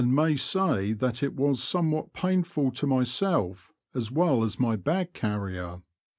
may say that it was somewhat painful to myself as well as my bag carrier.